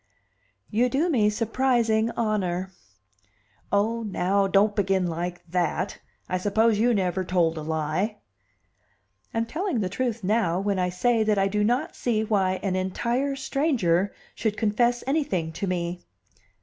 "You do me surprising honor." "Oh, now, don't begin like that! I suppose you never told a lie." "I'm telling the truth now when I say that I do not see why an entire stranger should confess anything to me."